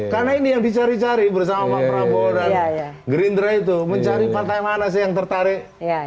karena ini yang dicari cari bersama pak prabowo dan gerindra itu mencari partai mana sih yang tertarik